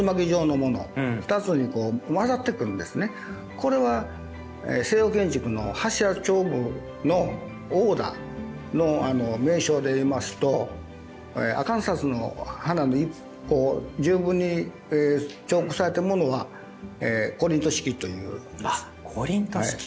これは西洋建築の柱のオーダーの名称で言いますとアカンサスの花で十分に彫刻されてるものがコリント式というんです。